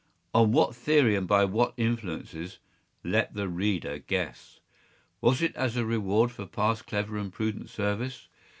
On what theory and by what influences, let the reader guess. Was it as a reward for past clever and prudent service?